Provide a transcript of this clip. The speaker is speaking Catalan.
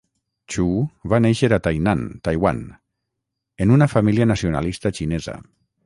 Xu va néixer a Tainan, Taiwan, en una família nacionalista xinesa.